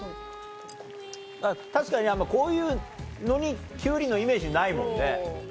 確かにこういうのにキュウリのイメージないもんね。